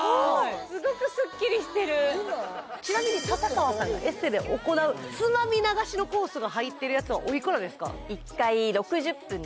すごくスッキリしてるちなみに笹川さんがエステで行うつまみ流しのコースが入ってるやつはおいくらですか？